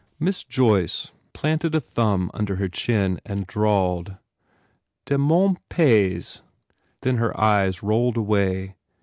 Miss Joyce planted a thumb under her chin and drawled, "De mon pays!" then her eyes rolled away.